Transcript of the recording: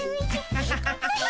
ハハハハハ。